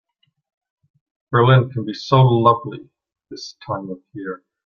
Berlin can be so lovely this time of year.